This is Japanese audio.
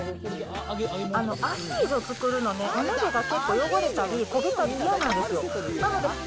アヒージョ作るのに、お鍋が結構汚れちゃう、焦げたり嫌なんですよ。